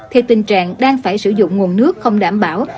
thì tình trạng đang phải sử dụng nguồn nước không đảm bảo